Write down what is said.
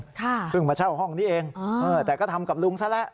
เพิ่งมาเช่าห้องนี้เองเออแต่ก็ทำกับลุงซะแล้ว